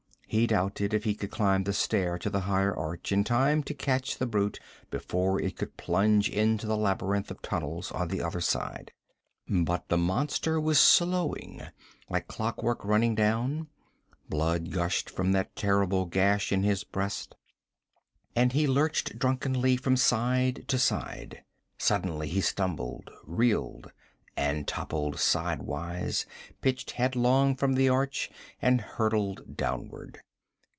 He doubted if he could climb the stair to the higher arch in time to catch the brute before it could plunge into the labyrinth of tunnels on the other side. But the monster was slowing, like clockwork running down. Blood gushed from that terrible gash in his breast, and he lurched drunkenly from side to side. Suddenly he stumbled, reeled and toppled sidewise pitched headlong from the arch and hurtled downward.